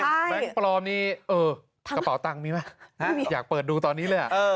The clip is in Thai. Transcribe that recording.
แก๊งปลอมนี้เออกระเป๋าตังค์มีไหมอยากเปิดดูตอนนี้เลย